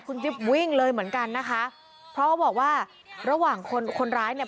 คุณจิ๊บวิ่งเลยเหมือนกันนะคะเพราะเขาบอกว่าระหว่างคนคนร้ายเนี่ย